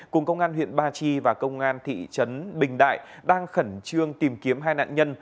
cùng công an huyện ba chi và công an thị trấn bình đại đang khẩn trương tìm kiếm hai nạn nhân